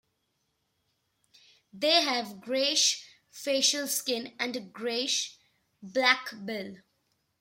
They have greyish facial skin, and a greyish-black bill.